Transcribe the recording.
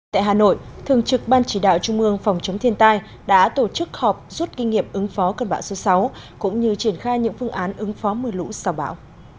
tại hà nội thường trực ban chỉ đạo trung ương phòng chống thiên tai đã tổ chức họp rút kinh nghiệm ứng phó cơn bão số sáu cũng như triển khai những phương án ứng phó mưa lũ sau bão